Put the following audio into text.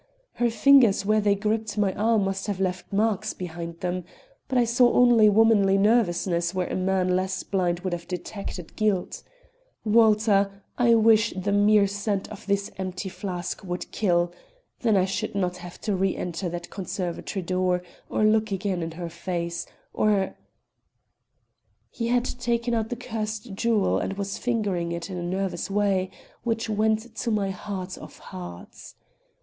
Her fingers where they gripped my arm must have left marks behind them. But I saw only womanly nervousness where a man less blind would have detected guilt. Walter, I wish that the mere scent of this empty flask would kill. Then I should not have to reënter that conservatory door or look again in her face, or " He had taken out the cursed jewel and was fingering it in a nervous way which went to my heart of hearts.